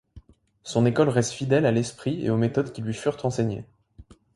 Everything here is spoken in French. Son école reste fidèle à l’esprit et aux méthodes qui lui furent enseignées.